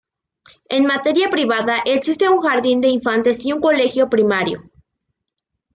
En materia privada existe un jardín de infantes y un colegio primario.